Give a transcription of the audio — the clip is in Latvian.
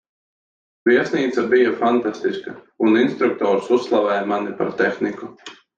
Viesnīca bija fantastiska, un instruktors uzslavēja mani par tehniku.